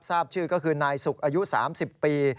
ทราบชื่อก็คือนายสุกอายุ๓๐ปี